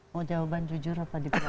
mau jawaban jujur apa diperlukan